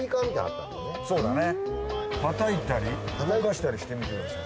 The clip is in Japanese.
「叩いたり動かしたりしてみてください。